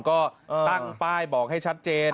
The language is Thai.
ก็ตั้งป้ายบอกให้ชัดเจน